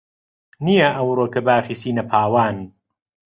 نییە ئەوڕۆکە باخی سینە پاوان